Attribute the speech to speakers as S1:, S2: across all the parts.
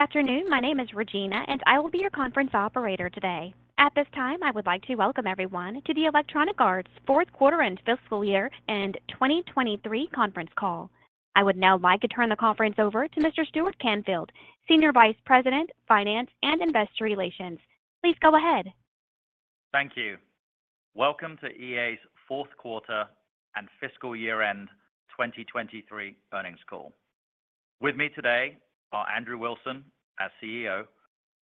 S1: Afternoon. My name is Regina, and I will be your conference Operator today. At this time, I would like to welcome everyone to the Electronic Arts fourth quarter and fiscal year and 2023 conference call. I would now like to turn the conference over to Mr. Stuart Canfield, Senior Vice President, Finance and Investor Relations. Please go ahead.
S2: Thank you. Welcome to EA's fourth quarter and fiscal year end 2023 earnings call. With me today are Andrew Wilson as CEO,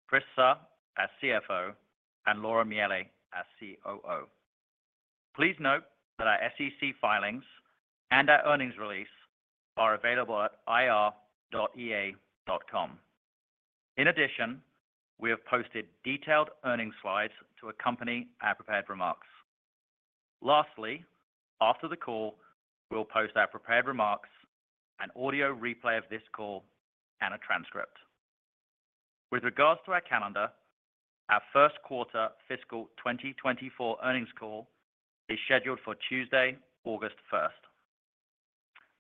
S2: Chris Suh as CFO, and Laura Miele as COO. Please note that our SEC filings and our earnings release are available at ir.ea.com. In addition, we have posted detailed earnings slides to accompany our prepared remarks. Lastly, after the call, we'll post our prepared remarks, an audio replay of this call and a transcript. With regards to our calendar, our first quarter fiscal 2024 earnings call is scheduled for Tuesday, August 1st.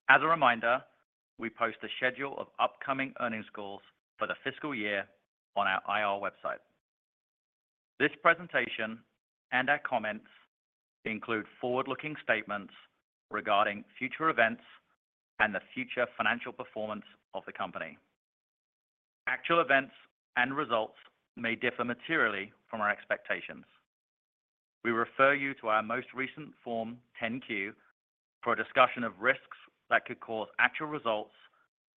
S2: As a reminder, we post a schedule of upcoming earnings calls for the fiscal year on our IR website. This presentation and our comments include forward-looking statements regarding future events and the future financial performance of the company. Actual events and results may differ materially from our expectations. We refer you to our most recent Form 10-Q for a discussion of risks that could cause actual results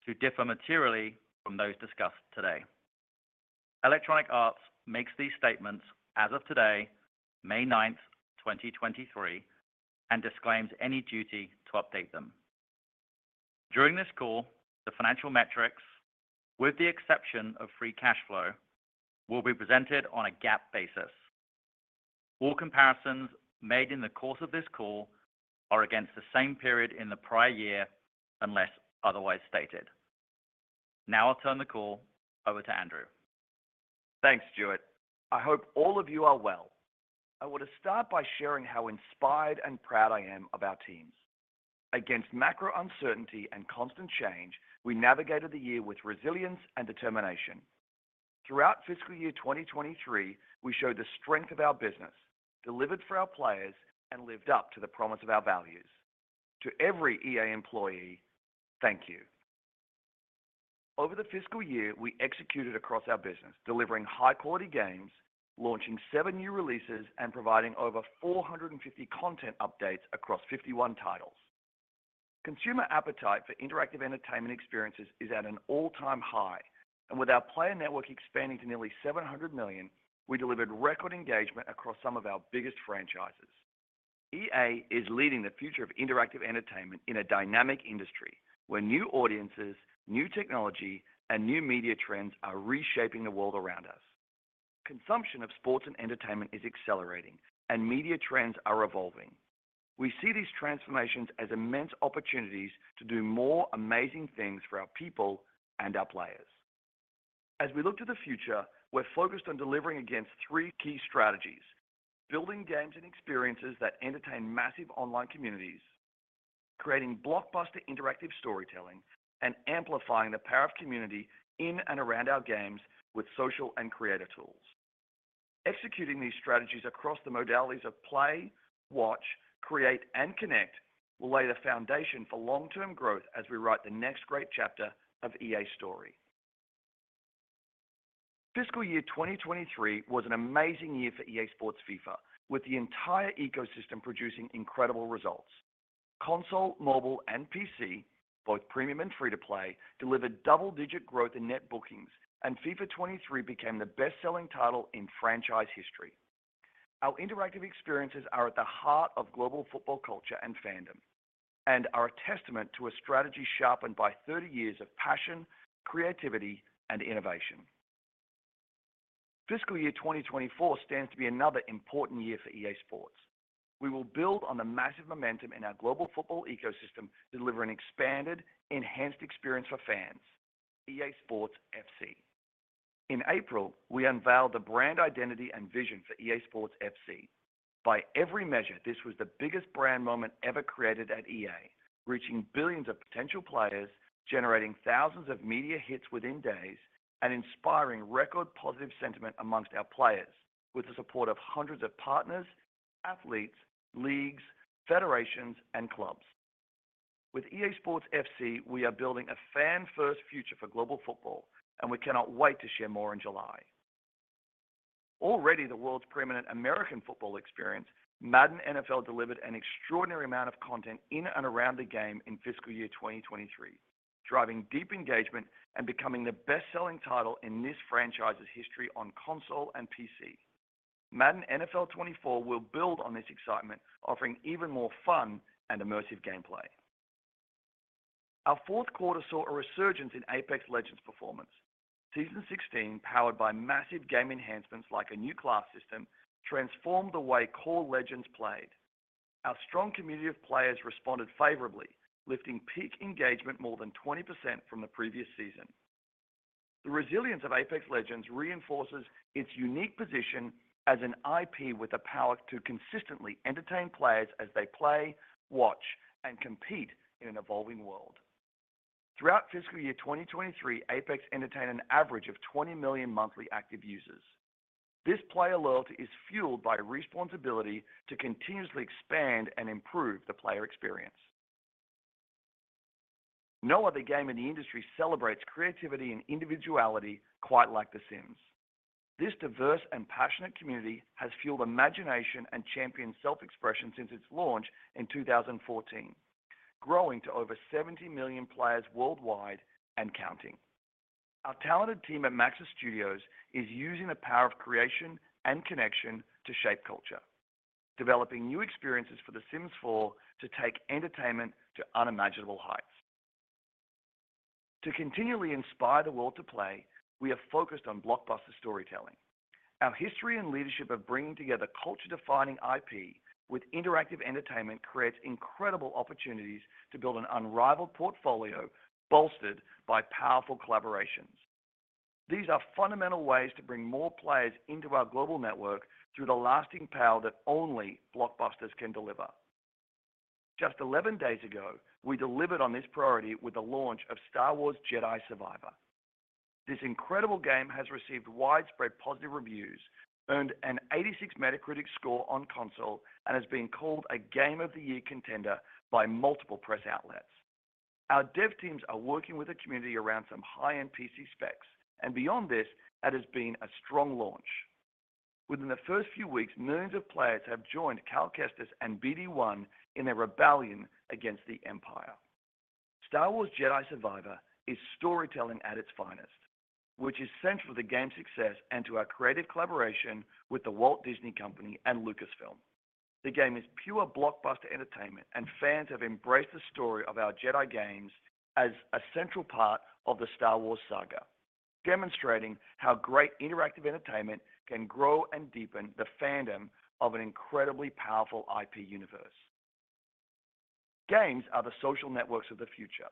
S2: to differ materially from those discussed today. Electronic Arts makes these statements as of today, May 9, 2023, and disclaims any duty to update them. During this call, the financial metrics, with the exception of free cash flow, will be presented on a GAAP basis. All comparisons made in the course of this call are against the same period in the prior year, unless otherwise stated. Now I'll turn the call over to Andrew.
S3: Thanks, Stuart. I hope all of you are well. I want to start by sharing how inspired and proud I am of our teams. Against macro uncertainty and constant change, we navigated the year with resilience and determination. Throughout fiscal year 2023, we showed the strength of our business, delivered for our players, and lived up to the promise of our values. To every EA employee, thank you. Over the fiscal year, we executed across our business, delivering high quality games, launching seven new releases, and providing over 450 content updates across 51 titles. Consumer appetite for interactive entertainment experiences is at an all-time high, and with our player network expanding to nearly 700 million, we delivered record engagement across some of our biggest franchises. EA is leading the future of interactive entertainment in a dynamic industry where new audiences, new technology, and new media trends are reshaping the world around us. Consumption of sports and entertainment is accelerating and media trends are evolving. We see these transformations as immense opportunities to do more amazing things for our people and our players. As we look to the future, we're focused on delivering against three key strategies: building games and experiences that entertain massive online communities, creating Blockbuster Interactive Storytelling, and amplifying the power of community in and around our games with social and creator tools. Executing these strategies across the modalities of play, watch, create, and connect will lay the foundation for long-term growth as we write the next great chapter of EA's story. Fiscal year 2023 was an amazing year for EA Sports FIFA, with the entire ecosystem producing incredible results. Console, mobile, and PC, both premium and free to play, delivered double-digit growth in net bookings, and FIFA 23 became the best-selling title in franchise history. Our interactive experiences are at the Heart of Global Football Culture and fandom and are a testament to a strategy sharpened by 30 years of passion, creativity, and innovation. Fiscal year 2024 stands to be another important year for EA SPORTS. We will build on the massive momentum in our global Football ecosystem, delivering expanded, enhanced experience for fans, EA SPORTS FC. In April, we unveiled the brand identity and vision for EA SPORTS FC. By every measure, this was the biggest brand moment ever created at EA, reaching billions of potential players, generating thousands of media hits within days, and inspiring record positive sentiment amongst our players with the support of hundreds of partners, Athletes, Leagues, fFederations, and Clubs. With EA SPORTS FC, we are building a fan-first future for global Football, and we cannot wait to share more in July. Already the world's preeminent American Football experience, Madden NFL delivered an extraordinary amount of content in and around the game in fiscal year 2023, driving deep engagement and becoming the best-selling title in this franchise's history on console and PC. Madden NFL 24 will build on this excitement, offering even more fun and immersive gameplay. Our fourth quarter saw a resurgence in Apex Legends performance. Season 16, powered by massive game enhancements like a new class system, transformed the way core legends played. Our strong community of players responded favorably, lifting peak engagement more than 20% from the previous season. The resilience of Apex Legends reinforces its unique position as an IP with the power to consistently entertain players as they play, watch, and compete in an evolving world. Throughout fiscal year 2023, Apex entertained an average of 20 million monthly active users. This player loyalty is fueled by Respawn's ability to continuously expand and improve the player experience. No other game in the industry celebrates creativity and individuality quite like The Sims. This diverse and passionate community has fueled imagination and championed self-expression since its launch in 2014, growing to over 70 million players worldwide and counting. Our talented team at Maxis Studios is using the power of creation and connection to shape Culture, developing new experiences for The Sims 4 to take entertainment to unimaginable heights. To continually inspire the world to play, we are focused on blockbuster storytelling. Our history and leadership of bringing together Culture-defining IP with interactive entertainment creates incredible opportunities to build an unrivaled portfolio bolstered by powerful collaborations. These are fundamental ways to bring more players into our global network through the lasting power that only blockbusters can deliver. Just 11 days ago, we delivered on this priority with the launch of Star Wars Jedi: Survivor. This incredible game has received widespread positive reviews, earned an 86 Metacritic score on console, and has been called a game of the year contender by multiple press outlets. Our Dev Teams are working with the community around some high-end PC specs, and beyond this, that has been a strong launch. Within the first few weeks, millions of players have joined Cal Kestis and BD-1 in their rebellion against the Empire. Star Wars Jedi: Survivor is storytelling at its finest, which is central to the game's success and to our creative collaboration with The Walt Disney Company and Lucasfilm. The game is pure blockbuster entertainment. Fans have embraced the story of our Jedi games as a central part of the Star Wars saga, demonstrating how great interactive entertainment can grow and deepen the fandom of an incredibly powerful IP universe. Games are the social networks of the future.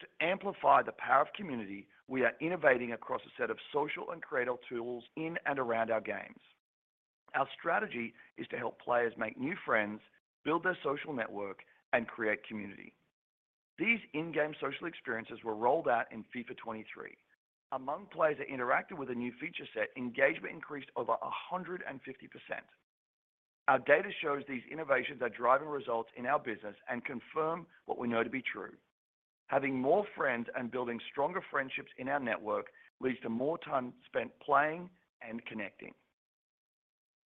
S3: To amplify the power of community, we are innovating across a set of social and creator tools in and around our games. Our strategy is to help players make new friends, build their social network and create community. These in-game social experiences were rolled out in FIFA 23. Among players that interacted with a new feature set, engagement increased over 150%. Our data shows these innovations are driving results in our business and confirm what we know to be true. Having more friends and building stronger friendships in our network leads to more time spent playing and connecting.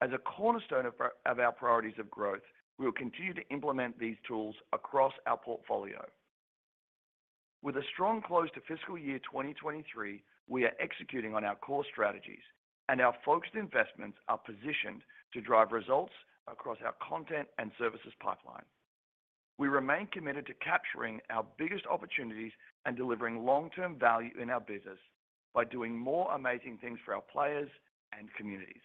S3: As a cornerstone of our priorities of growth, we will continue to implement these tools across our portfolio. With a strong close to fiscal year 2023, we are executing on our core strategies, and our focused investments are positioned to drive results across our content and services pipeline. We remain committed to capturing our biggest opportunities and delivering long-term value in our business by doing more amazing things for our players and communities.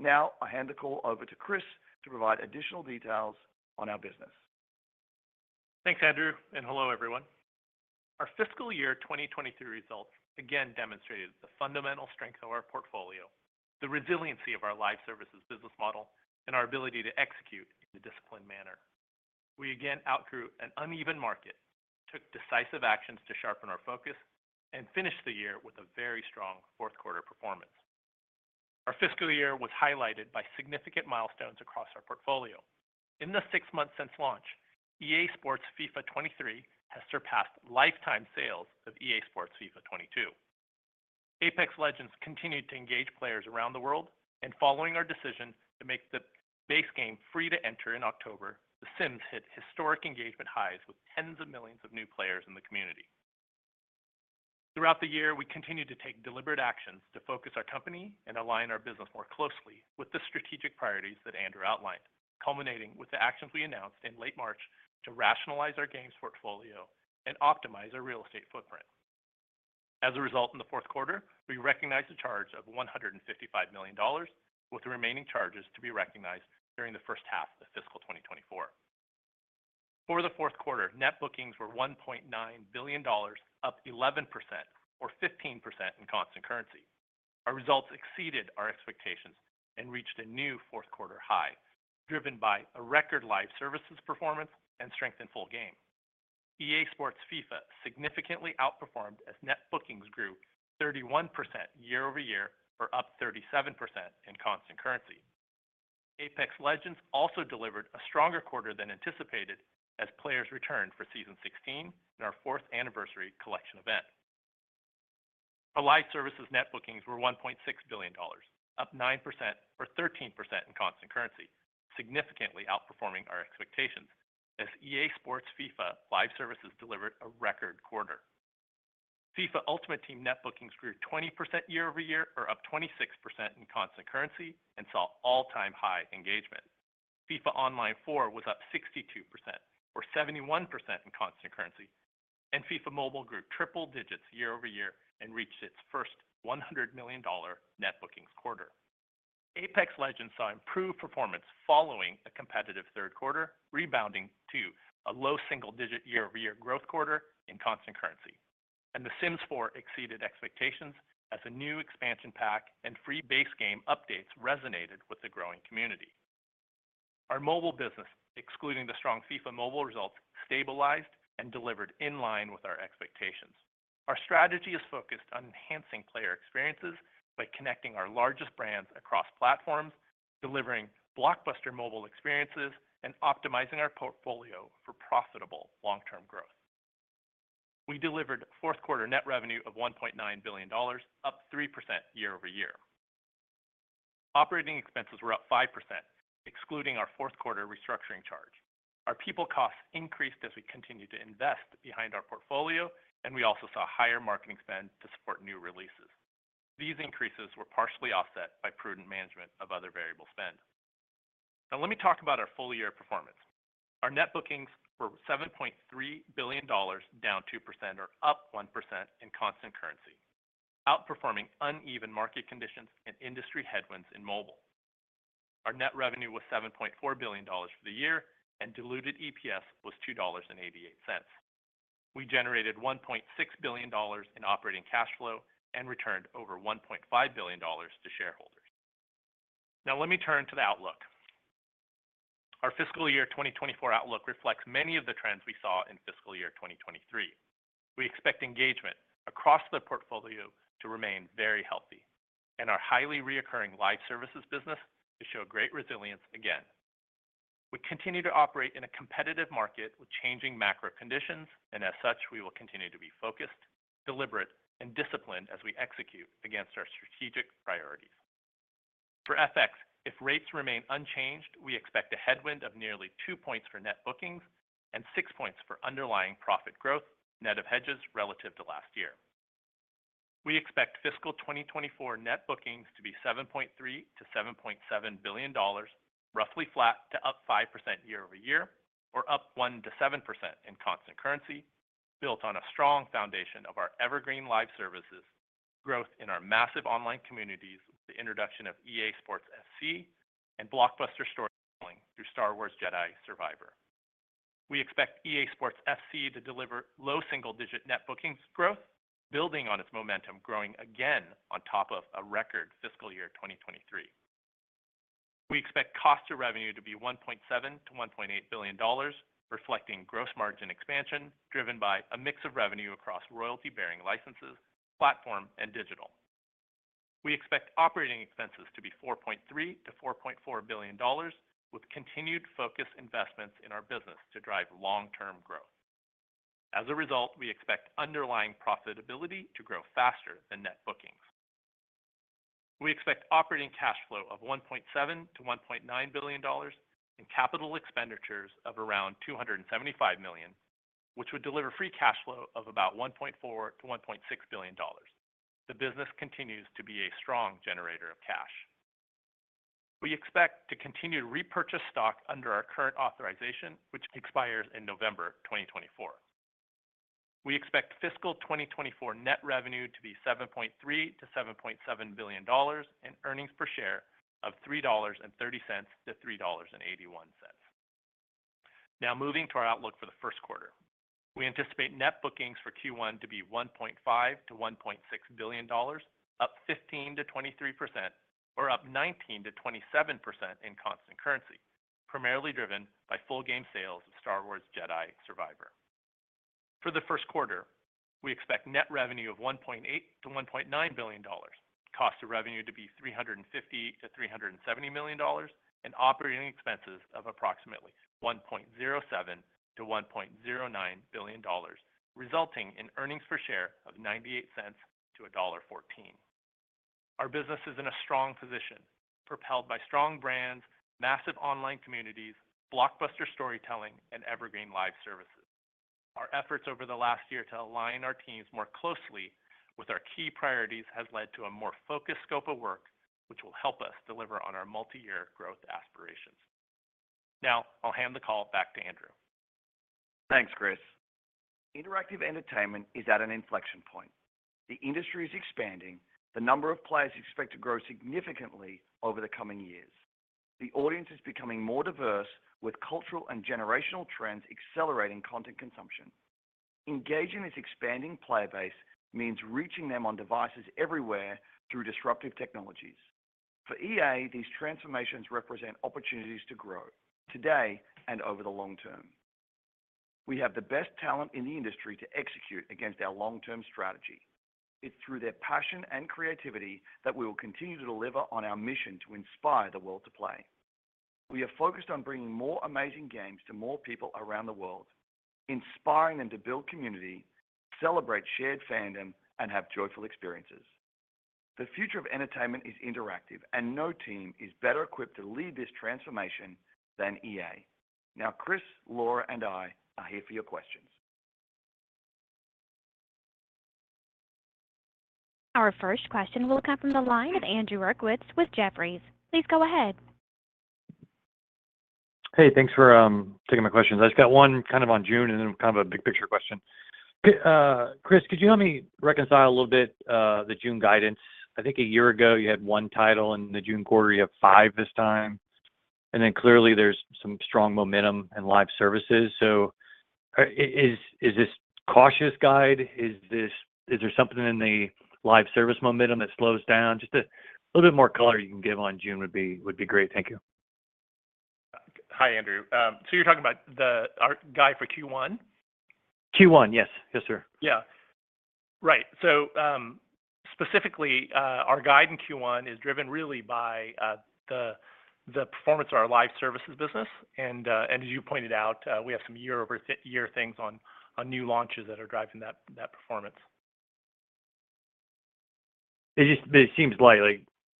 S3: I hand the call over to Chris to provide additional details on our business.
S4: Thanks, Andrew, and hello, everyone. Our fiscal year 2023 results again demonstrated the fundamental strength of our portfolio, the resiliency of our live services business model, and our ability to execute in a disciplined manner. We again outgrew an uneven market, took decisive actions to sharpen our focus, and finished the year with a very strong fourth quarter performance. Our fiscal year was highlighted by significant milestones across our portfolio. In the six months since launch, EA SPORTS FIFA 23 has surpassed lifetime sales of EA SPORTS FIFA 22. Apex Legends continued to engage players around the world, and following our decision to make the base game free to enter in October, The Sims hit historic engagement highs with tens of millions of new players in the community. Throughout the year, we continued to take deliberate actions to focus our company and align our business more closely with the strategic priorities that Andrew Wilson outlined, culminating with the actions we announced in late March to rationalize our games portfolio and optimize our real estate footprint. In the fourth quarter, we recognized a charge of $155 million with the remaining charges to be recognized during the first half of fiscal 2024. For the fourth quarter, net bookings were $1.9 billion, up 11% or 15% in constant currency. Our results exceeded our expectations and reached a new fourth quarter high, driven by a record live services performance and strength in full game. EA SPORTS FIFA significantly outperformed as net bookings grew 31% year-over-year or up 37% in constant currency. Apex Legends also delivered a stronger quarter than anticipated as players returned for Season 16 and our fourth anniversary collection event. Our live services net bookings were $1.6 billion, up 9% or 13% in constant currency, significantly outperforming our expectations as EA SPORTS FIFA live services delivered a record quarter. FIFA Ultimate Team net bookings grew 20% year-over-year or up 26% in constant currency and saw all-time high engagement. FIFA Online 4 was up 62% or 71% in constant currency. FIFA Mobile grew triple digits year-over-year and reached its first $100 million net bookings quarter. Apex Legends saw improved performance following a competitive third quarter, rebounding to a low single digit year-over-year growth quarter in constant currency. The Sims 4 exceeded expectations as a new expansion pack and free base game updates resonated with the growing community. Our mobile business, excluding the strong FIFA Mobile results, stabilized and delivered in line with our expectations. Our strategy is focused on enhancing player experiences by connecting our largest brands across platforms, delivering blockbuster mobile experiences, and optimizing our portfolio for profitable long-term growth. We delivered fourth quarter net revenue of $1.9 billion, up 3% year-over-year. Operating expenses were up 5%, excluding our fourth quarter restructuring charge. Our people costs increased as we continued to invest behind our portfolio, and we also saw higher marketing spend to support new releases. These increases were partially offset by prudent management of other variable spend. Let me talk about our full-year performance. Our net bookings were $7.3 billion, down 2% or up 1% in constant currency, outperforming uneven market conditions and industry headwinds in mobile. Our net revenue was $7.4 billion for the year. Diluted EPS was $2.88. We generated $1.6 billion in operating cash flow and returned over $1.5 billion to Shareholders. Let me turn to the outlook. Our fiscal year 2024 outlook reflects many of the trends we saw in fiscal year 2023. We expect engagement across the portfolio to remain very healthy and our highly reoccurring live services business to show great resilience again. We continue to operate in a competitive market with changing macro conditions, as such, we will continue to be focused, deliberate, and disciplined as we execute against our strategic priorities. For FX, if rates remain unchanged, we expect a headwind of nearly two points for net bookings and six points for underlying profit growth, net of hedges relative to last year. We expect fiscal 2024 net bookings to be $7.3 billion-$7.7 billion, roughly flat to up 5% year-over-year or up 1%-7% in constant currency, built on a strong foundation of our evergreen live services growth in our massive online communities with the introduction of EA SPORTS FC and blockbuster storytelling through Star Wars Jedi: Survivor. We expect EA SPORTS FC to deliver low single-digit net bookings growth, building on its momentum growing again on top of a record fiscal year 2023. We expect cost of revenue to be $1.7 billion-$1.8 billion, reflecting gross margin expansion driven by a mix of revenue across royalty-bearing licenses, platform, and digital. We expect operating expenses to be $4.3 billion-$4.4 billion with continued focus investments in our business to drive long-term growth. As a result, we expect underlying profitability to grow faster than net bookings. We expect operating cash flow of $1.7 billion-$1.9 billion and capital expenditures of around $275 million, which would deliver free cash flow of about $1.4 billion-$1.6 billion. The business continues to be a strong generator of cash. We expect to continue to repurchase stock under our current authorization, which expires in November 2024. We expect fiscal 2024 net revenue to be $7.3 billion-$7.7 billion and earnings per share of $3.30-$3.81. Moving to our outlook for the first quarter. We anticipate net bookings for Q1 to be $1.5 billion-$1.6 billion, up 15%-23% or up 19%-27% in constant currency, primarily driven by full game sales of Star Wars Jedi: Survivor. For the first quarter, we expect net revenue of $1.8 billion-$1.9 billion, cost of revenue to be $350 million-$370 million, and operating expenses of approximately $1.07 billion-$1.09 billion, resulting in earnings per share of $0.98-$1.14. Our business is in a strong position, propelled by strong brands, massive online communities, blockbuster storytelling, and evergreen live services. Our efforts over the last year to align our teams more closely with our key priorities has led to a more focused scope of work, which will help us deliver on our multi-year growth aspirations. I'll hand the call back to Andrew.
S3: Thanks, Chris. Interactive entertainment is at an inflection point. The industry is expanding. The number of players is expected to grow significantly over the coming years. The audience is becoming more diverse, with cultural and generational trends accelerating content consumption. Engaging this expanding player base means reaching them on devices everywhere through disruptive technologies. For EA, these transformations represent opportunities to grow today and over the long term. We have the best talent in the industry to execute against our long-term strategy. It's through their passion and creativity that we will continue to deliver on our mission to inspire the world to play. We are focused on bringing more amazing games to more people around the world, inspiring them to build community, celebrate shared fandom, and have joyful experiences. The future of entertainment is interactive and no team is better equipped to lead this transformation than EA. Chris, Laura, and I are here for your questions.
S1: Our first question will come from the line of Andrew Uerkwitz with Jefferies. Please go ahead.
S5: Hey, thanks for taking my questions. I just got one kind of on June and then kind of a big picture question. Chris, could you help me reconcile a little bit the June guidance? I think a year ago, you had one title in the June quarter, you have five this time, and then clearly there's some strong momentum in live services. Is this cautious guide? Is there something in the live service momentum that slows down? Just a little bit more color you can give on June would be great. Thank you.
S3: Hi, Andrew. You're talking about our guide for Q1?
S5: Q1, yes. Yes, sir.
S3: Yeah. Right. Specifically, our guide in Q1 is driven really by the performance of our live services business. As you pointed out, we have some year-over-year things on new launches that are driving that performance.
S5: It just seems like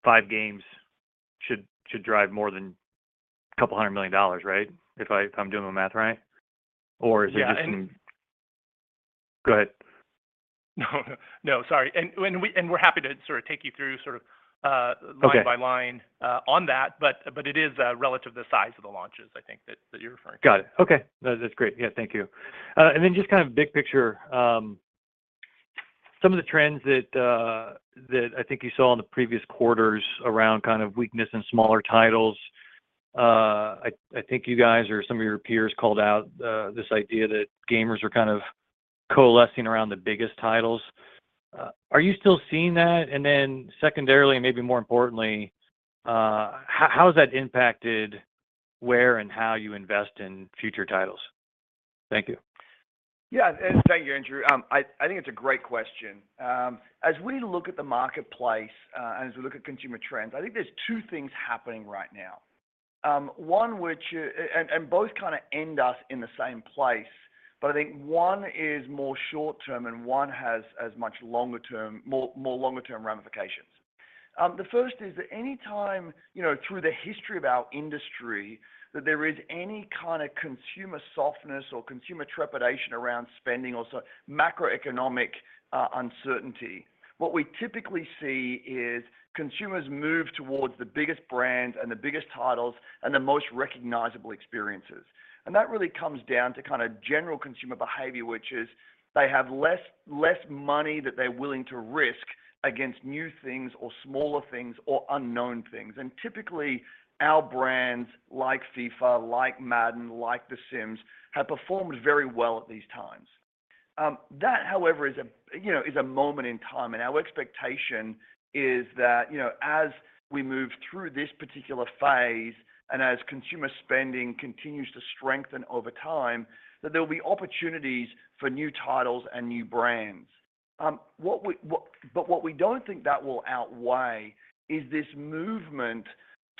S5: five games should drive more than $200 million, right? If I'm doing the math right. Or is it just
S3: Yeah,
S5: Go ahead.
S3: No, no. No, sorry. We're happy to sort of take you through sort of.
S5: Okay
S3: Line-by-line, on that. It is, relative to the size of the launches I think that you're referring to.
S5: Got it. Okay. No, that's great. Yeah. Thank you. Just kind of big picture, some of the trends that I think you saw in the previous quarters around kind of weakness in smaller titles. I think you guys or some of your peers called out this idea that gamers are kind of coalescing around the biggest titles. Are you still seeing that? Secondarily, and maybe more importantly, how has that impacted where and how you invest in future titles? Thank you.
S3: Yeah. Thank you, Andrew. I think it's a great question. As we look at the marketplace, and as we look at consumer trends, I think there's two things happening right now. One which and both kind of end us in the same place, but I think one is more short-term and one has as much longer term ramifications. The 1st is that anytime, you know, through the history of our industry that there is any kind of consumer softness or consumer trepidation around spending or so macroeconomic uncertainty, what we typically see is consumers move towards the biggest brands and the biggest titles and the most recognizable experiences. That really comes down to kind of general consumer behavior, which is they have less money that they're willing to risk against new things or smaller things or unknown things. Typically, our brands like FIFA, like Madden, like The Sims, have performed very well at these times. That, however, is, you know, a moment in time. Our expectation is that, you know, as we move through this particular phase and as consumer spending continues to strengthen over time, that there will be opportunities for new titles and new brands. What we don't think that will outweigh is this movement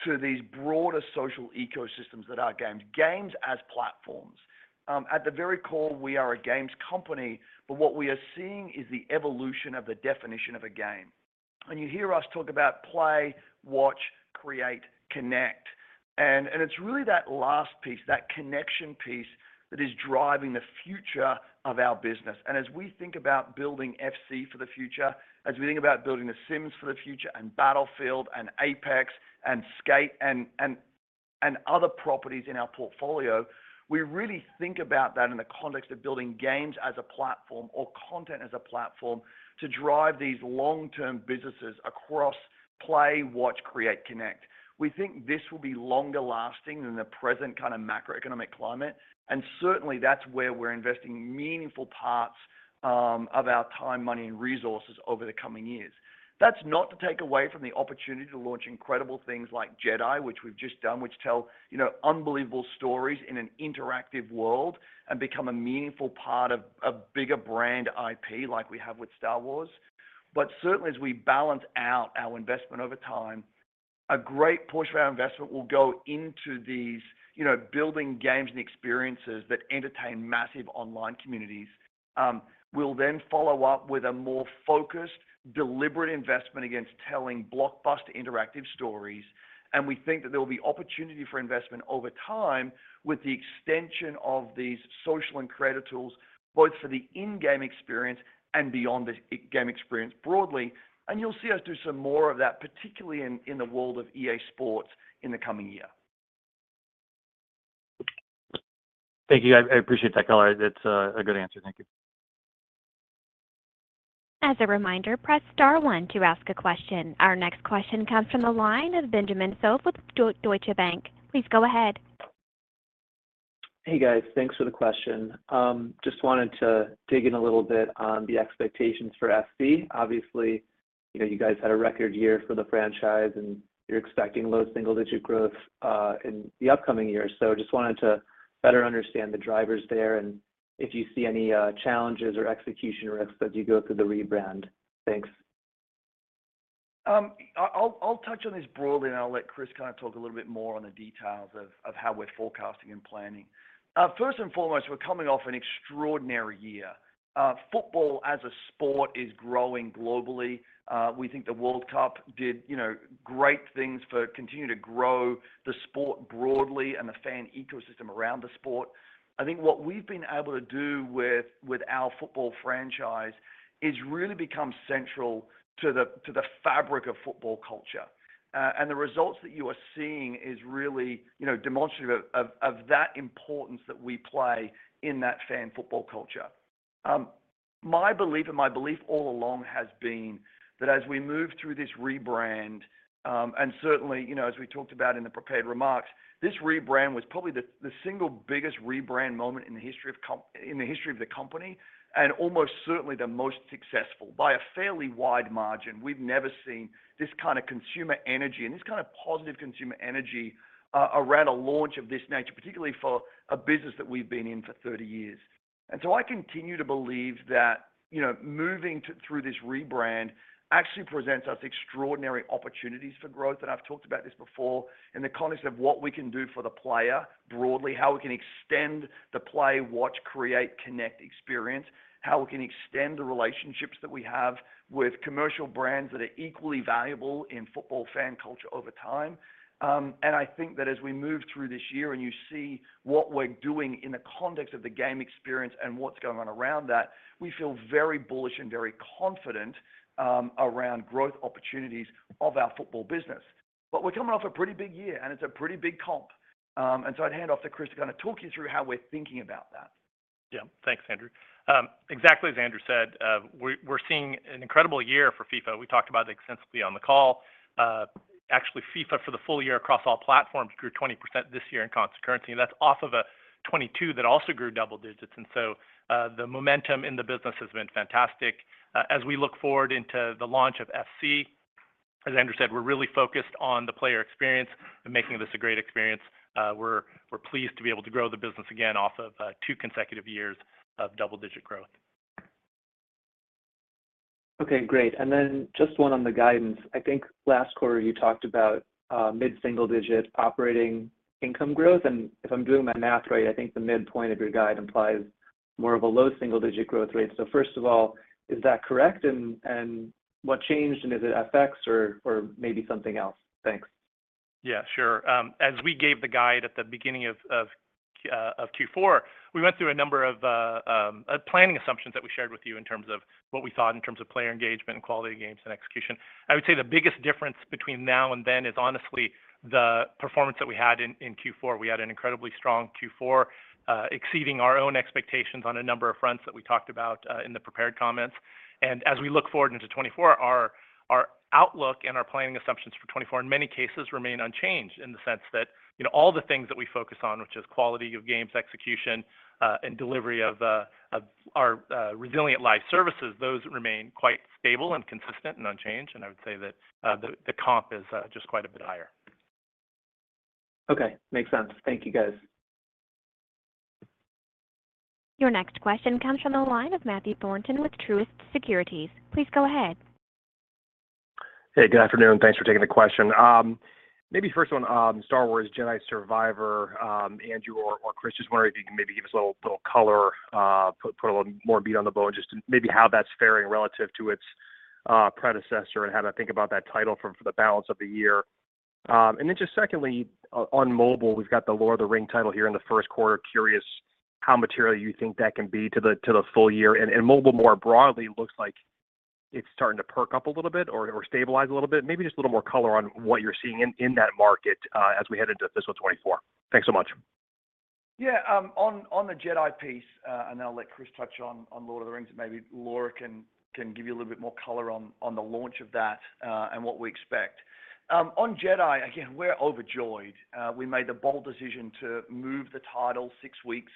S3: to these broader social ecosystems that are games as platforms. At the very core, we are a games company, but what we are seeing is the evolution of the definition of a game. When you hear us talk about play, watch, create, connect, and it's really that last piece, that connection piece that is driving the future of our business. As we think about building FC for the future, as we think about building The Sims for the future, and Battlefield and Apex and skate. and other properties in our portfolio, we really think about that in the context of building games as a platform or content as a platform to drive these long-term businesses across play, watch, create, connect. We think this will be longer lasting than the present kind of macroeconomic climate, and certainly, that's where we're investing meaningful parts of our time, money and resources over the coming years. That's not to take away from the opportunity to launch incredible things like Jedi, which we've just done, which tell, you know, unbelievable stories in an interactive world and become a meaningful part of a bigger brand IP like we have with Star Wars. Certainly, as we balance out our investment over time, a great portion of our investment will go into these, you know, building games and experiences that entertain massive online communities. We'll then follow up with a more focused, deliberate investment against telling blockbuster interactive stories. We think that there will be opportunity for investment over time with the extension of these social and creative tools, both for the in-game experience and beyond the game experience broadly. You'll see us do some more of that, particularly in the world of EA SPORTS in the coming year.
S5: Thank you. I appreciate that color. That's a good answer. Thank you.
S1: As a reminder, press star one to ask a question. Our next question comes from the line of Benjamin Soff with Deutsche Bank. Please go ahead.
S6: Hey, guys. Thanks for the question. Just wanted to dig in a little bit on the expectations for FC. Obviously, you know, you guys had a record year for the franchise, and you're expecting low single-digit growth in the upcoming year. Just wanted to better understand the drivers there and if you see any challenges or execution risks as you go through the rebrand. Thanks.
S3: I'll touch on this broadly, and I'll let Chris kind of talk a little bit more on the details of how we're forecasting and planning. First and foremost, we're coming off an extraordinary year. Football as a sport is growing globally. We think the World Cup did, you know, great things for continuing to grow the sport broadly and the fan ecosystem around the sport. I think what we've been able to do with our Football franchise is really become central to the fabric of Football Culture. The results that you are seeing is really, you know, demonstrative of that importance that we play in that fan Football Culture. My belief and my belief all along has been that as we move through this rebrand, and certainly, you know, as we talked about in the prepared remarks, this rebrand was probably the single biggest rebrand moment in the history of the company, and almost certainly the most successful by a fairly wide margin. We've never seen this kind of consumer energy and this kind of positive consumer energy, around a launch of this nature, particularly for a business that we've been in for 30 years. So I continue to believe that, you know, moving through this rebrand actually presents us extraordinary opportunities for growth. I've talked about this before in the context of what we can do for the player broadly, how we can extend the play, watch, create, connect, experience, how we can extend the relationships that we have with commercial brands that are equally valuable in Football fan Culture over time. I think that as we move through this year and you see what we're doing in the context of the game experience and what's going on around that, we feel very bullish and very confident around growth opportunities of our Football business. We're coming off a pretty big year, and it's a pretty big comp. I'd hand off to Chris to kind of talk you through how we're thinking about that.
S4: Thanks, Andrew. Exactly as Andrew said, we're seeing an incredible year for FIFA. We talked about it extensively on the call. Actually, FIFA for the full year across all platforms grew 20% this year in constant currency, and that's off of a 2022 that also grew double digits. The momentum in the business has been fantastic. As we look forward into the launch of FC, as Andrew said, we're really focused on the player experience and making this a great experience. We're pleased to be able to grow the business again off of two consecutive years of double-digit growth.
S6: Great. Just one on the guidance. I think last quarter you talked about mid-single-digit operating income growth. If I'm doing my math right, I think the midpoint of your guide implies more of a low-single-digit growth rate. First of all, is that correct? What changed? Is it FX or maybe something else? Thanks.
S4: Yeah, sure. as we gave the guide at the beginning of Q4, we went through a number of planning assumptions that we shared with you in terms of what we thought in terms of player engagement and quality of games and execution. I would say the biggest difference between now and then is honestly the performance that we had in Q4. We had an incredibly strong Q4, exceeding our own expectations on a number of fronts that we talked about in the prepared comments. As we look forward into 2024, our outlook and our planning assumptions for 2024, in many cases remain unchanged in the sense that, you know, all the things that we focus on, which is quality of games, execution, and delivery of our resilient live services, those remain quite stable and consistent and unchanged. I would say that the comp is just quite a bit higher.
S6: Okay. Makes sense. Thank you, guys.
S1: Your next question comes from the line of Matthew Thornton with Truist Securities. Please go ahead.
S7: Hey, good afternoon. Thanks for taking the question. Maybe first one, STAR WARS Jedi: Survivor, Andrew Uerkwitz or Chris Suh, just wondering if you can maybe give us a little color, put a little more meat on the bone, just maybe how that's faring relative to its predecessor and how to think about that title for the balance of the year. Then just secondly, on mobile, we've got the Lord of the Ring title here in the first quarter. Curious how material you think that can be to the full year. Mobile more broadly looks like it's starting to perk up a little bit or stabilize a little bit. Maybe just a little more color on what you're seeing in that market as we head into fiscal 2024. Thanks so much.
S3: Yeah. On the Jedi piece, I'll let Chris touch on The Lord of the Rings, and maybe Laura can give you a little bit more color on the launch of that, and what we expect. On Jedi, again, we're overjoyed. We made the bold decision to move the title 6 weeks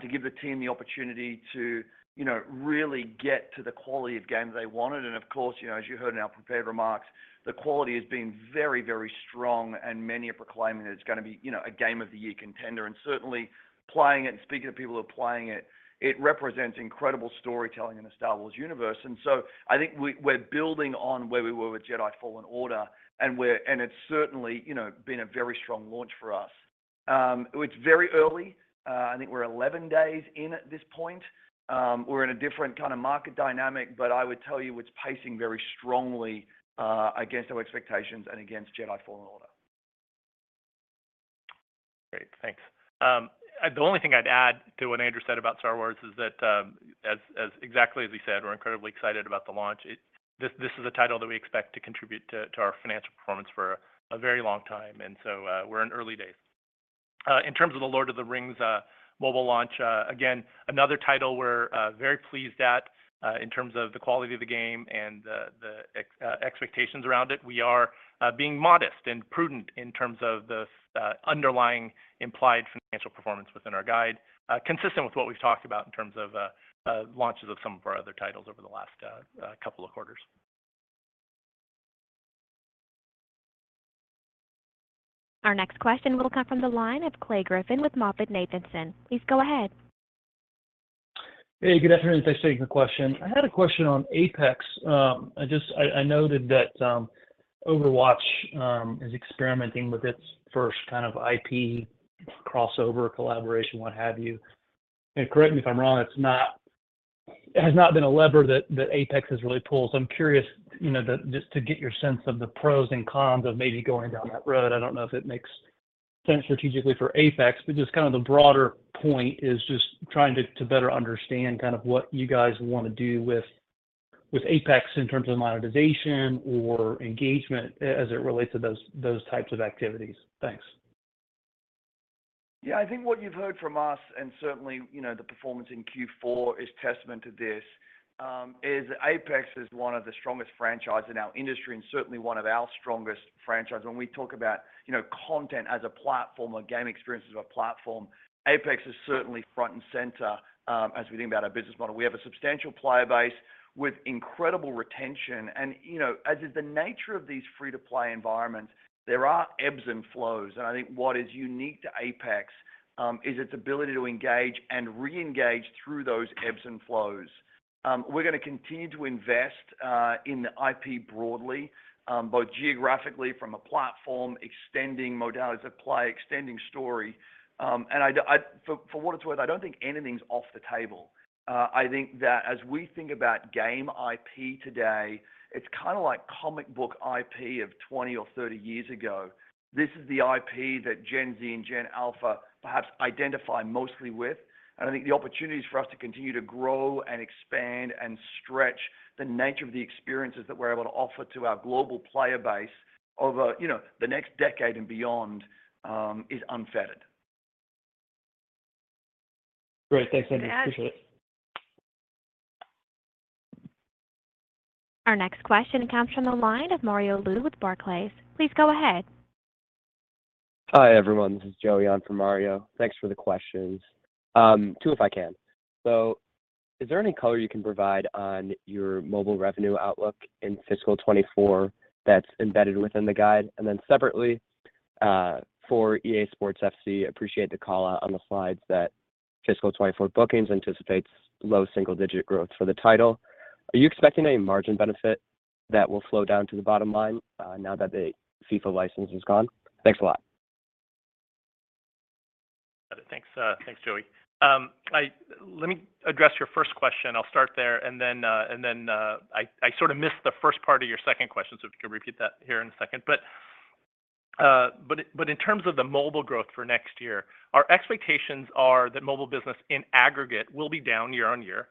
S3: to give the team the opportunity to, you know, really get to the quality of game they wanted. Of course, you know, as you heard in our prepared remarks, the quality has been very, very strong and many are proclaiming that it's gonna be, you know, a game of the year contender. Certainly playing it and speaking to people who are playing it represents incredible storytelling in the Star Wars universe. I think we're building on where we were with Jedi Fallen Order, and it's certainly, you know, been a very strong launch for us. It's very early. I think we're 11 days in at this point. We're in a different kind of market dynamic, but I would tell you it's pacing very strongly against our expectations and against Jedi Fallen Order.
S4: Great. Thanks. The only thing I'd add to what Andrew said about Star Wars is that as exactly as he said, we're incredibly excited about the launch. This is a title that we expect to contribute to our financial performance for a very long time. We're in early days. In terms of The Lord of the Rings mobile launch, again, another title we're very pleased at in terms of the quality of the game and the expectations around it. We are being modest and prudent in terms of the underlying implied financial performance within our guide, consistent with what we've talked about in terms of launches of some of our other titles over the last couple of quarters.
S1: Our next question will come from the line of Clay Griffin with MoffettNathanson. Please go ahead.
S8: Hey, good afternoon. Thanks for taking the question. I had a question on Apex. I noted that Overwatch is experimenting with its first kind of IP crossover collaboration, what have you. Correct me if I'm wrong, it has not been a lever that Apex has really pulled. I'm curious, you know, just to get your sense of the pros and cons of maybe going down that road. I don't know if it makes sense strategically for Apex, but just kind of the broader point is just trying to better understand kind of what you guys want to do with Apex in terms of monetization or engagement as it relates to those types of activities. Thanks.
S3: Yeah, I think what you've heard from us and certainly, you know, the performance in Q4 is testament to this, is Apex is one of the strongest franchise in our industry and certainly one of our strongest franchise. When we talk about, you know, content as a platform or game experience as a platform, Apex is certainly front and center, as we think about our business model. We have a substantial player base with incredible retention and, you know, as is the nature of these free-to-play environments, there are ebbs and flows. I think what is unique to Apex, is its ability to engage and re-engage through those ebbs and flows. We're gonna continue to invest in the IP broadly, both geographically from a platform extending modalities of play, extending story. For what it's worth, I don't think anything's off the table. I think that as we think about game IP today, it's kinda like comic book IP of 20 or 30 years ago. This is the IP that Gen Z and Gen Alpha perhaps identify mostly with. I think the opportunities for us to continue to grow and expand and stretch the nature of the experiences that we're able to offer to our global player base over, you know, the next decade and beyond, is unfettered.
S8: Great. Thanks, Andrew. Appreciate it.
S1: Our next question comes from the line of Mario Lu with Barclays. Please go ahead.
S9: Hi, everyone. This is Joey on for Mario. Thanks for the questions. Two if I can. Is there any color you can provide on your mobile revenue outlook in fiscal 2024 that's embedded within the guide? Separately, for EA SPORTS FC, appreciate the call-out on the slides that fiscal 2024 bookings anticipates low single-digit growth for the title. Are you expecting a margin benefit that will flow down to the bottom line, now that the FIFA license is gone? Thanks a lot.
S4: Thanks. Thanks, Joey. Let me address your first question. I'll start there and then I sort of missed the first part of your second question, so if you could repeat that here in a second. But in terms of the mobile growth for next year, our expectations are that mobile business in aggregate will be down year-over-year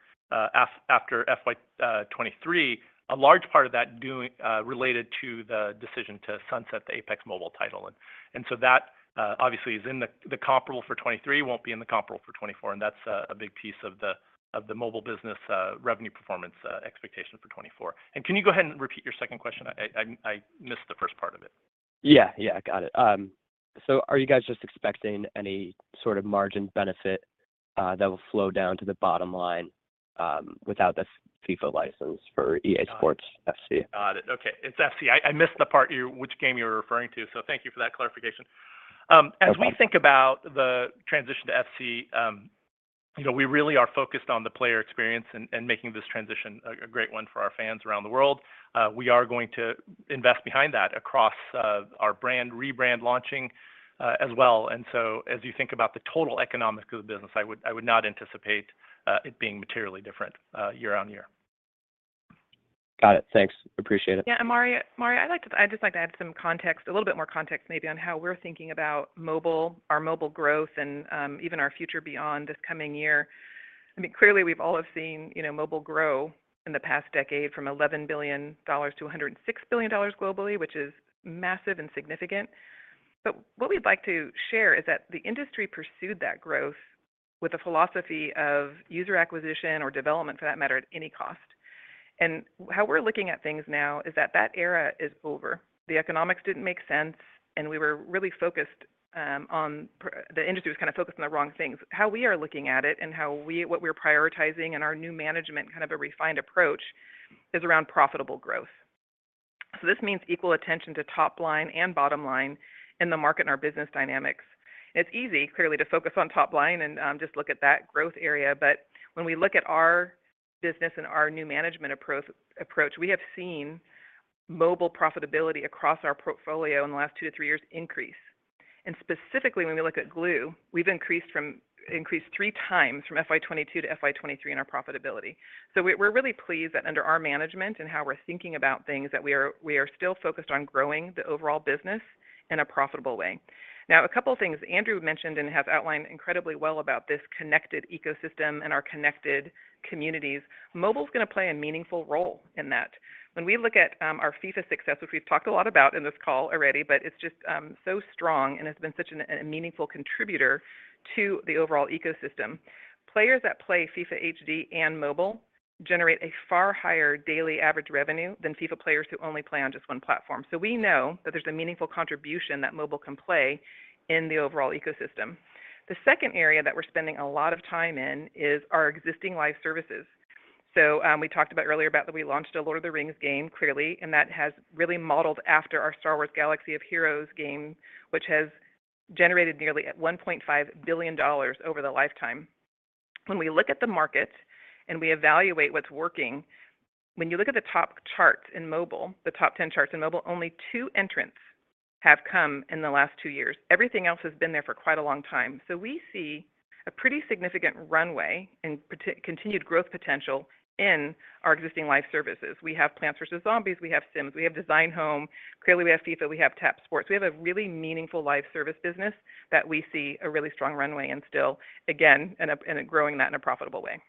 S4: after FY 2023. A large part of that related to the decision to sunset the Apex mobile title. So that obviously is in the comparable for 2023, won't be in the comparable for 2024, and that's a big piece of the mobile business revenue performance expectation for 2024. Can you go ahead and repeat your second question? I missed the first part of it.
S9: Yeah. Yeah. Got it. Are you guys just expecting any sort of margin benefit that will flow down to the bottom line without the FIFA license for EA SPORTS FC?
S4: Got it. Okay. It's FC. I missed the part which game you were referring to, so thank you for that clarification.
S9: No problem....
S4: as we think about the transition to FC, you know, we really are focused on the player experience and making this transition a great one for our fans around the world. We are going to invest behind that across our brand, rebrand launching as well. As you think about the total economics of the business, I would not anticipate it being materially different year-over-year.
S9: Got it. Thanks. Appreciate it.
S10: Yeah. Mario, I'd just like to add some context, a little bit more context maybe on how we're thinking about mobile, our mobile growth, and even our future beyond this coming year. I mean, clearly we've all have seen, you know, mobile grow in the past decade from $11 billion to $106 billion globally, which is massive and significant. What we'd like to share is that the industry pursued that growth with a philosophy of user acquisition or development for that matter, at any cost. How we're looking at things now is that that era is over. The economics didn't make sense, and we were really focused on The industry was kind of focused on the wrong things. How we are looking at it and how we what we're prioritizing and our new management, kind of a refined approach, is around profitable growth. This means equal attention to top line and bottom line in the market and our business dynamics. It's easy clearly to focus on top line and just look at that growth area, but when we look at our business and our new management approach, we have seen mobile profitability across our portfolio in the last two to three years increase. Specifically when we look at Glu, we've increased 3 times from FY 2022 to FY 2023 in our profitability. We're really pleased that under our management and how we're thinking about things, that we are still focused on growing the overall business in a profitable way. A couple things Andrew mentioned and has outlined incredibly well about this connected ecosystem and our connected communities. Mobile's gonna play a meaningful role in that. When we look at our FIFA success, which we've talked a lot about in this call already, but it's just so strong and has been such a meaningful contributor to the overall ecosystem. Players that play FIFA HD and Mobile generate a far higher daily average revenue than FIFA players who only play on just one platform. We know that there's a meaningful contribution that mobile can play in the overall ecosystem. The second area that we're spending a lot of time in is our existing live services. We talked about earlier about that we launched a Lord of the Rings game clearly, and that has really modeled after our Star Wars: Galaxy of Heroes game, which has generated nearly $1.5 billion over the lifetime. When we look at the market and we evaluate what's working, when you look at the top 10 charts in mobile, the top 10 charts in mobile, only two entrants have come in the last two years. Everything else has been there for quite a long time. We see a pretty significant runway and continued growth potential in our existing live services. We have Plants vs. Zombies. We have Sims. We have Design Home. Clearly, we have FIFA. We have Tap Sports. We have a really meaningful live service business that we see a really strong runway and still again, and growing that in a profitable way.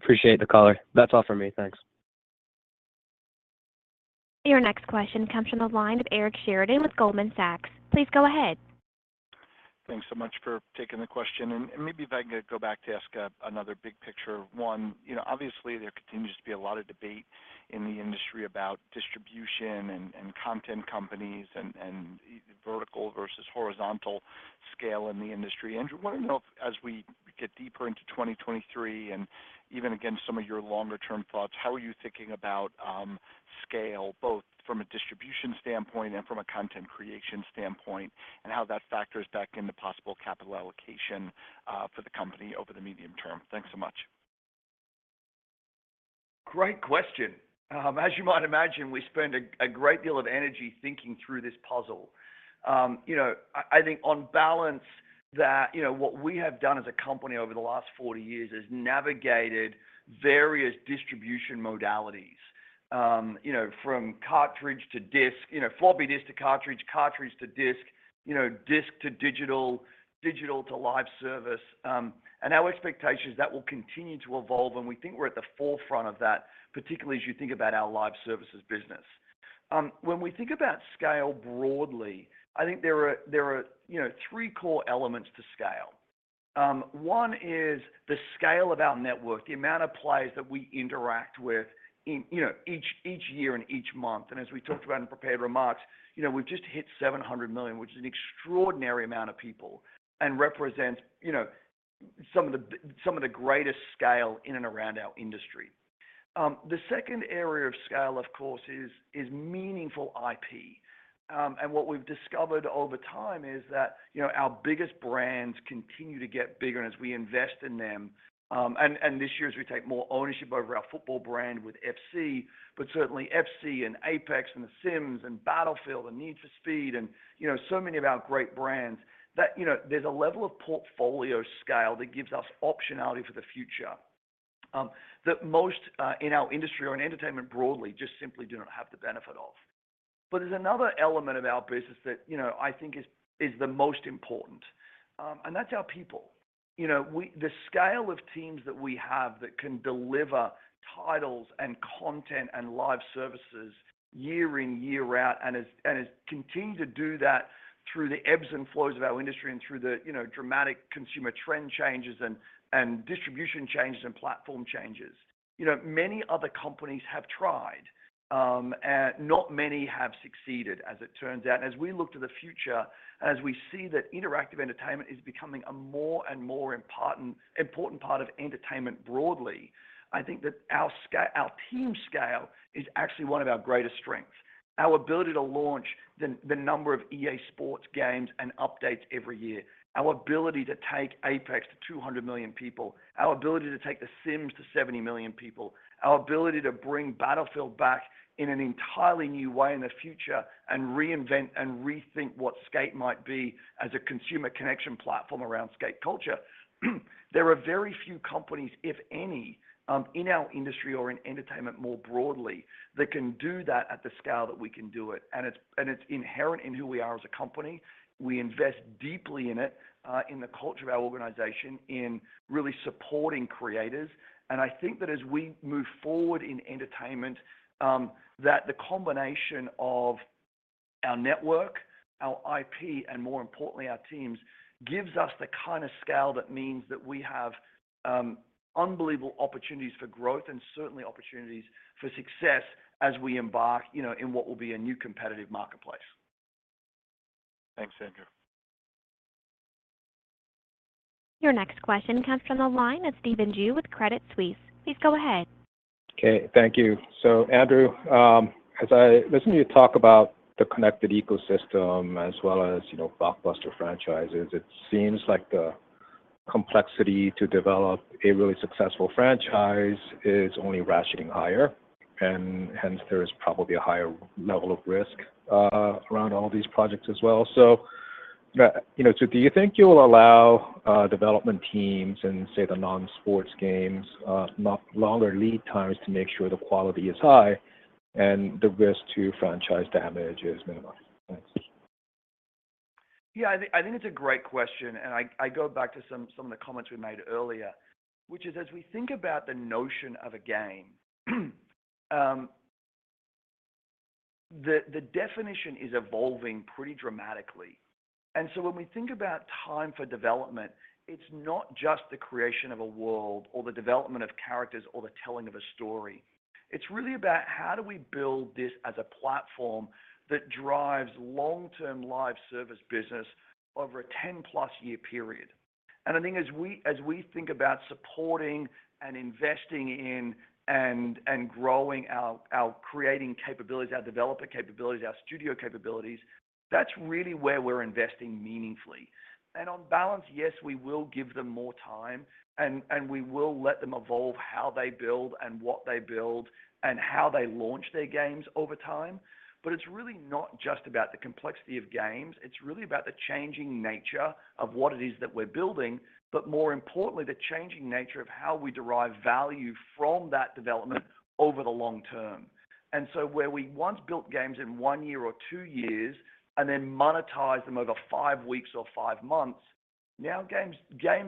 S9: Appreciate the color. That's all for me. Thanks.
S1: Your next question comes from the line of Eric Sheridan with Goldman Sachs. Please go ahead.
S11: Thanks so much for taking the question. Maybe if I can go back to ask another big picture one. You know, obviously, there continues to be a lot of debate in the industry about distribution and content companies and vertical versus horizontal scale in the industry. Andrew, want to know if as we get deeper into 2023 and even, again, some of your longer term thoughts, how are you thinking about scale, both from a distribution standpoint and from a content creation standpoint, and how that factors back into possible capital allocation for the company over the medium term? Thanks so much.
S3: Great question. As you might imagine, we spend a great deal of energy thinking through this puzzle. You know, I think on balance that, you know, what we have done as a company over the last 40 years is navigated various distribution modalities. You know, from cartridge to disk, you know, floppy disk to cartridge to disk, you know, disk to digital to live service. Our expectation is that will continue to evolve, and we think we're at the forefront of that, particularly as you think about our live services business. When we think about scale broadly, I think there are, you know, three core elements to scale. One is the scale of our network, the amount of players that we interact with in, you know, each year and each month. As we talked about in prepared remarks, you know, we've just hit 700 million, which is an extraordinary amount of people and represents, you know, some of the greatest scale in and around our industry. The second area of scale, of course, is meaningful IP. And what we've discovered over time is that, you know, our biggest brands continue to get bigger and as we invest in them, and this year as we take more ownership over our Football brand with FC. Certainly FC and Apex and The Sims and Battlefield and Need for Speed and, you know, so many of our great brands that, you know, there's a level of portfolio scale that gives us optionality for the future, that most in our industry or in entertainment broadly just simply do not have the benefit of. There's another element of our business that, you know, I think is the most important, and that's our people. You know, the scale of teams that we have that can deliver titles and content and live services year in, year out, and has continued to do that through the ebbs and flows of our industry and through the, you know, dramatic consumer trend changes and distribution changes and platform changes. You know, many other companies have tried, and not many have succeeded, as it turns out. As we look to the future, as we see that interactive entertainment is becoming a more and more important part of entertainment broadly, I think that our team scale is actually one of our greatest strengths. Our ability to launch the number of EA SPORTS games and updates every year, our ability to take Apex to 200 million people, our ability to take The Sims to 70 million people, our ability to bring Battlefield back in an entirely new way in the future and reinvent and rethink what skate. might be as a consumer connection platform around skate Culture. There are very few companies, if any, in our industry or in entertainment more broadly, that can do that at the scale that we can do it, and it's inherent in who we are as a company. We invest deeply in it, in the Culture of our organization, in really supporting creators. I think that as we move forward in entertainment, that the combination of our network, our IP, and more importantly our teams, gives us the kind of scale that means that we have unbelievable opportunities for growth and certainly opportunities for success as we embark, you know, in what will be a new competitive marketplace.
S11: Thanks, Andrew.
S1: Your next question comes from the line of Stephen Ju with Credit Suisse. Please go ahead.
S12: Okay, thank you. Andrew, as I listen to you talk about the connected ecosystem as well as, you know, blockbuster franchises, it seems like the complexity to develop a really successful franchise is only ratcheting higher, and hence there is probably a higher level of risk around all these projects as well. You know, so do you think you'll allow development teams in, say, the non-sports games, not longer lead times to make sure the quality is high and the risk to franchise damage is minimized? Thanks.
S3: I think it's a great question, and I go back to some of the comments we made earlier. As we think about the notion of a game, the definition is evolving pretty dramatically. When we think about time for development, it's not just the creation of a world or the development of characters or the telling of a story. It's really about how do we build this as a platform that drives long-term live service business over a 10-plus year period. I think as we think about supporting and investing in and growing our creating capabilities, our developer capabilities, our studio capabilities, that's really where we're investing meaningfully. On balance, yes, we will give them more time and we will let them evolve how they build and what they build and how they launch their games over time. It's really not just about the complexity of games, it's really about the changing nature of what it is that we're building. More importantly, the changing nature of how we derive value from that development over the long term. Where we once built games in one year or two years and then monetized them over five weeks or five months. Now games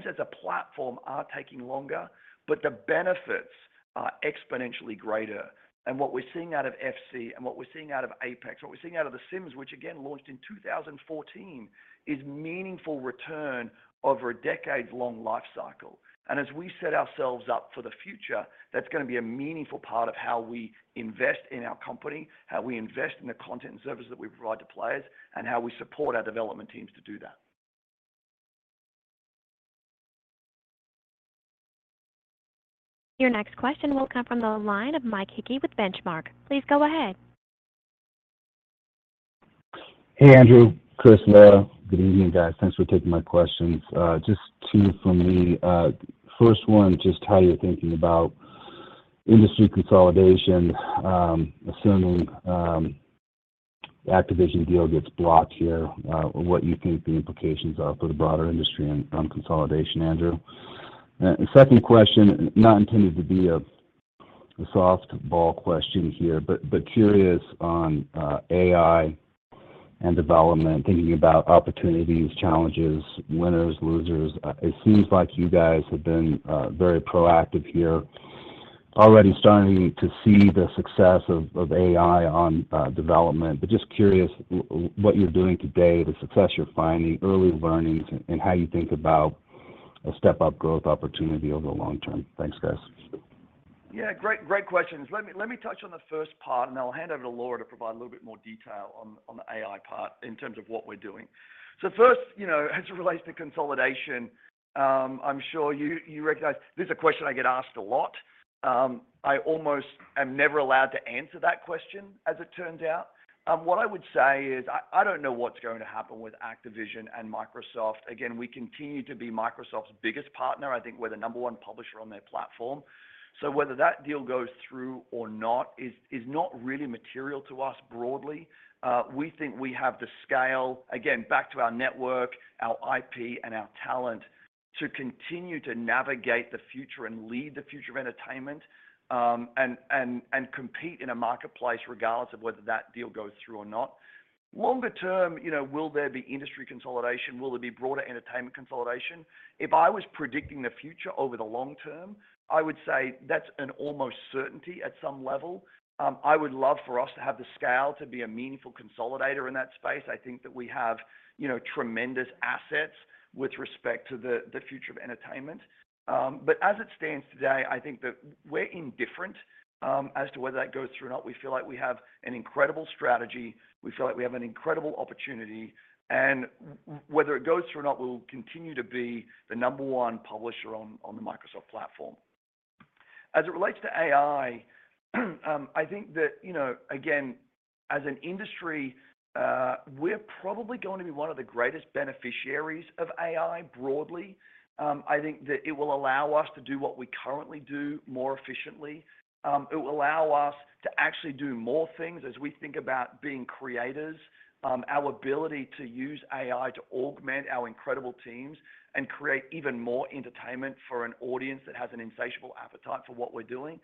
S3: as a platform are taking longer, but the benefits are exponentially greater. What we're seeing out of FC and what we're seeing out of Apex, what we're seeing out of The Sims, which again launched in 2014, is meaningful return over a decades long life cycle. As we set ourselves up for the future, that's going to be a meaningful part of how we invest in our company, how we invest in the content and services that we provide to players, and how we support our development teams to do that.
S1: Your next question will come from the line of Mike Hickey with Benchmark. Please go ahead.
S13: Hey, Andrew Uerkwitz, Chris Suh, Laura Miele. Good evening, guys. Thanks for taking my questions. Just two from me. First one, just how you're thinking about industry consolidation, assuming the Activision deal gets blocked here, what you think the implications are for the broader industry and on consolidation, Andrew Uerkwitz? Second question, not intended to be a soft ball question here, but curious on AI and development, thinking about opportunities, challenges, winners, losers. It seems like you guys have been very proactive here already starting to see the success of AI on development. Just curious what you're doing today, the success you're finding, early learnings, and how you think about a step up growth opportunity over the long term. Thanks, guys.
S3: Yeah, great questions. Let me touch on the first part and I'll hand over to Laura to provide a little bit more detail on the AI part in terms of what we're doing. First, you know, as it relates to consolidation, I'm sure you recognize this is a question I get asked a lot. I almost am never allowed to answer that question as it turns out. What I would say is I don't know what's going to happen with Activision and Microsoft. Again, we continue to be Microsoft's biggest partner. I think we're the number one publisher on their platform. Whether that deal goes through or not is not really material to us broadly. We think we have the scale, again, back to our network, our IP, and our talent to continue to navigate the future and lead the future of entertainment, and compete in a marketplace regardless of whether that deal goes through or not. Longer term, you know, will there be industry consolidation? Will there be broader entertainment consolidation? If I was predicting the future over the long term, I would say that's an almost certainty at some level. I would love for us to have the scale to be a meaningful consolidator in that space. I think that we have, you know, tremendous assets with respect to the future of entertainment. As it stands today, I think that we're indifferent as to whether that goes through or not. We feel like we have an incredible strategy. We feel like we have an incredible opportunity. Whether it goes through or not, we'll continue to be the number one publisher on the Microsoft platform. As it relates to AI, I think that, you know, again, as an industry, we're probably going to be one of the greatest beneficiaries of AI broadly. I think that it will allow us to do what we currently do more efficiently. It will allow us to actually do more things as we think about being creators. Our ability to use AI to augment our incredible teams and create even more entertainment for an audience that has an insatiable appetite for what we're doing.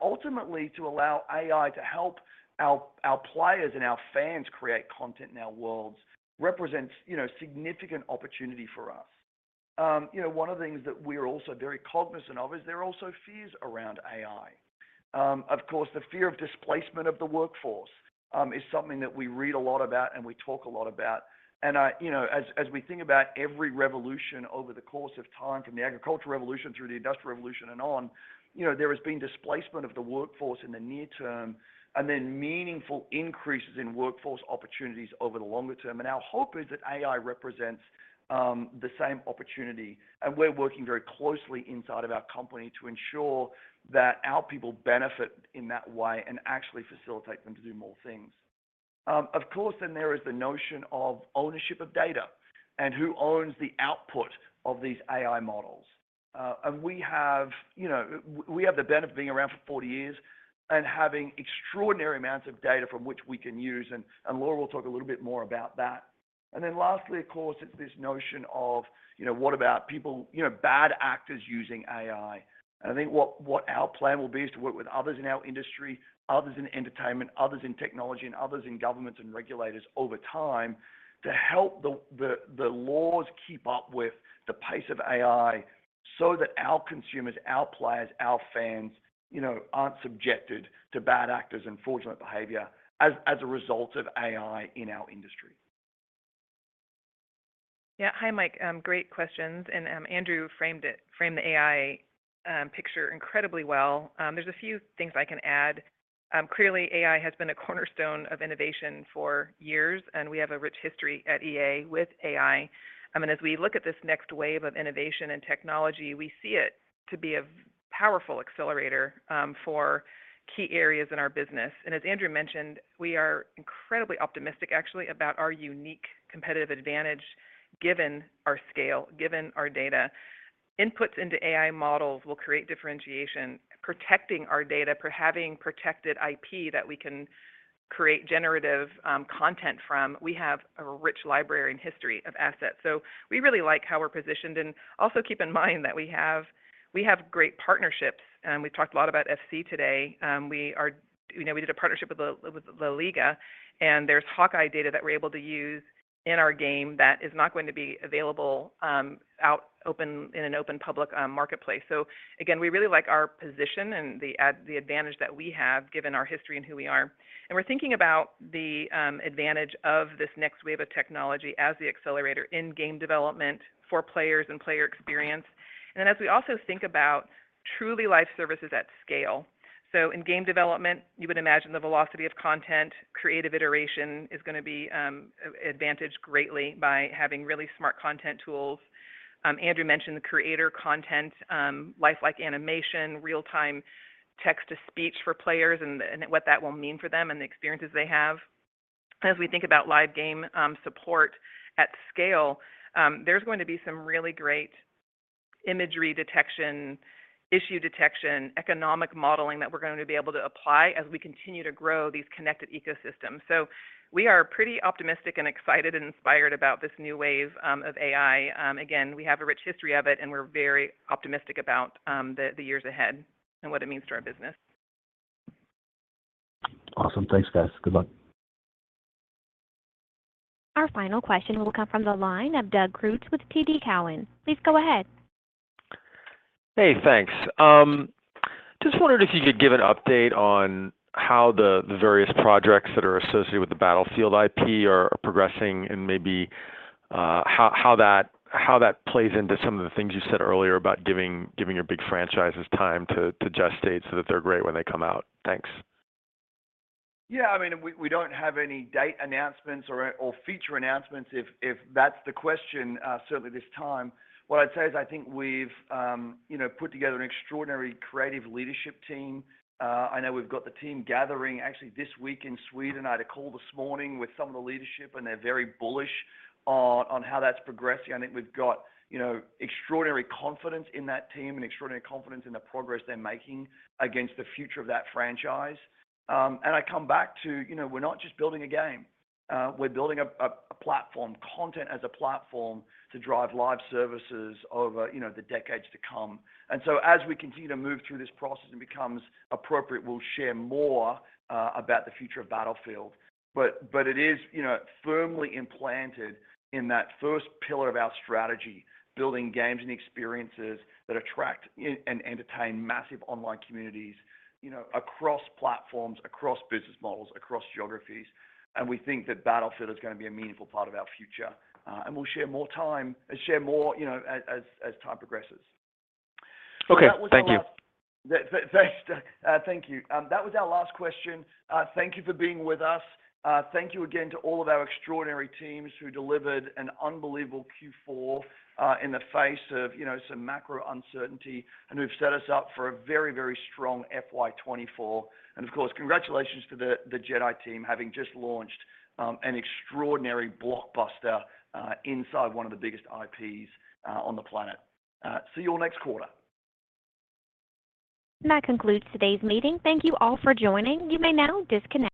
S3: Ultimately to allow AI to help our players and our fans create content in our worlds represents, you know, significant opportunity for us. You know, one of the things that we're also very cognizant of is there are also fears around AI. Of course, the fear of displacement of the workforce is something that we read a lot about and we talk a lot about. You know, as we think about every revolution over the course of time, from the Agricultural Revolution through the Industrial Revolution and on, you know, there has been displacement of the workforce in the near term and then meaningful increases in workforce opportunities over the longer term. Our hope is that AI represents the same opportunity. We're working very closely inside of our company to ensure that our people benefit in that way and actually facilitate them to do more things. Of course, there is the notion of ownership of data and who owns the output of these AI models. We have, you know, we have the benefit of being around for 40 years and having extraordinary amounts of data from which we can use and Laura will talk a little bit more about that. Lastly, of course, it's this notion of, you know, what about people, you know, bad actors using AI? I think what our plan will be is to work with others in our industry, others in entertainment, others in technology, and others in governments and regulators over time to help the laws keep up with the pace of AI so that our consumers, our players, our fans, you know, aren't subjected to bad actors and fortunate behavior as a result of AI in our industry.
S13: Yeah. Hi, Mike. great questions. Andrew framed the AI picture incredibly well. There's a few things I can add. Clearly, AI has been a cornerstone of innovation for years, and we have a rich history at EA with AI. I mean, as we look at this next wave of innovation and technology, we see it to be a powerful accelerator for key areas in our business. As Andrew mentioned, we are incredibly optimistic actually about our unique competitive advantage given our scale, given our data. Inputs into AI models will create differentiation. Protecting our data, having protected IP that we can
S10: Create generative content from. We have a rich library and history of assets. We really like how we're positioned. Also keep in mind that we have, we have great partnerships, and we've talked a lot about FC today. We know we did a partnership with the, with LaLiga, and there's Hawk-Eye data that we're able to use in our game that is not going to be available out open in an open public marketplace. Again, we really like our position and the advantage that we have given our history and who we are. We're thinking about the advantage of this next wave of technology as the accelerator in game development for players and player experience. As we also think about truly live services at scale. In game development, you would imagine the velocity of content, creative iteration is gonna be advantaged greatly by having really smart content tools. Andrew mentioned the creator content, lifelike animation, real-time text-to-speech for players and what that will mean for them and the experiences they have. As we think about live game support at scale, there's going to be some really great imagery detection, issue detection, economic modeling that we're going to be able to apply as we continue to grow these connected ecosystems. We are pretty optimistic and excited and inspired about this new wave of AI. Again, we have a rich history of it, and we're very optimistic about the years ahead and what it means to our business.
S13: Awesome. Thanks, guys. Good luck.
S1: Our final question will come from the line of Doug Creutz with TD Cowen. Please go ahead.
S14: Hey, thanks. Just wondered if you could give an update on how the various projects that are associated with the Battlefield IP are progressing and maybe how that plays into some of the things you said earlier about giving your big franchises time to gestate so that they're great when they come out. Thanks.
S3: Yeah. I mean, we don't have any date announcements or feature announcements if that's the question, certainly this time. What I'd say is I think we've, you know, put together an extraordinary creative leadership team. I know we've got the team gathering actually this week in Sweden. I had a call this morning with some of the leadership, and they're very bullish on how that's progressing. I think we've got, you know, extraordinary confidence in that team and extraordinary confidence in the progress they're making against the future of that franchise. I come back to, you know, we're not just building a game. We're building a platform, content as a platform to drive live services over, you know, the decades to come. As we continue to move through this process and becomes appropriate, we'll share more about the future of Battlefield. It is, you know, firmly implanted in that first pillar of our strategy, building games and experiences that attract and entertain massive online communities, you know, across platforms, across business models, across geographies. We think that Battlefield is gonna be a meaningful part of our future. We'll share more, you know, as time progresses.
S14: Okay. Thank you.
S3: That was our last. Thanks. Thank you. That was our last question. Thank you for being with us. Thank you again to all of our extraordinary teams who delivered an unbelievable Q4, in the face of, you know, some macro uncertainty and who've set us up for a very, very strong FY 2024. Of course, congratulations to the Jedi team having just launched an extraordinary blockbuster inside one of the biggest IPs on the planet. See you all next quarter.
S1: That concludes today's meeting. Thank you all for joining. You may now disconnect.